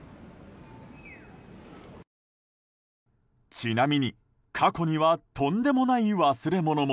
ちなみに、過去にはとんでもない忘れ物も。